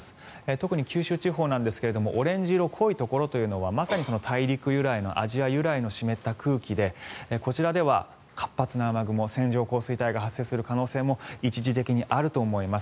特に九州地方なんですがオレンジ色、濃いところはまさに大陸、アジア由来の湿った空気でこちらでは活発な雨雲線状降水帯が発生する可能性も一時的にあると思います。